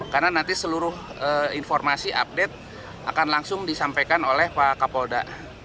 karena nanti seluruh informasi update akan langsung disampaikan oleh pak kapolda